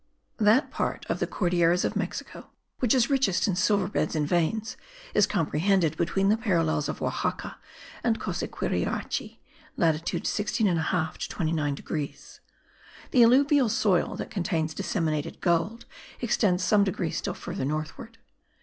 That part of the Cordilleras of Mexico which is richest in silver beds and veins, is comprehended between the parallels of Oaxaca and Cosiquiriachi (latitude 16 1/2 to 29 degrees); the alluvial soil that contains disseminated gold extends some degrees still further northwards.